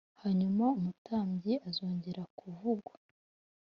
Hanyuma umutambyi azongere kuvugwa